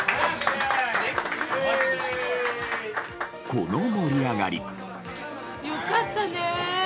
この盛り上がり。